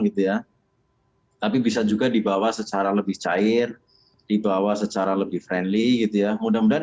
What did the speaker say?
gitu ya tapi bisa juga dibawa secara lebih cair dibawa secara lebih friendly gitu ya mudah mudahan